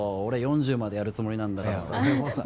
俺４０までやるつもりなんだから俺もさ